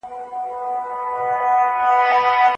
په قلم خط لیکل د پوهي د ژورتیا سبب ګرځي.